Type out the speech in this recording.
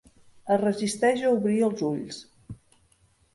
Es resisteix a obrir els ulls.